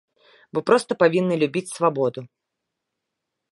Вы проста павінны любіць свабоду!